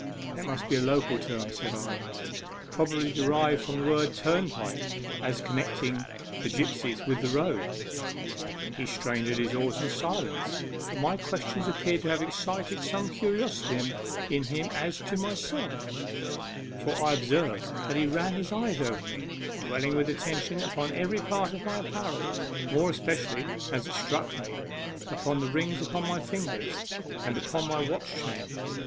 " That must be a local term," said I, " pro bably derived from the word ' turjapike,' as con necting the gipsies with the road." 1 He strained at his oars in silence ; but my questions appeared to have excited some curiosity in him as to myself, for I observed that he ran his eyes over me, dwelling with attention upon every part of my apparel, more especially, as it struck me, upon the rings upon my fingers, and upon my watch chain.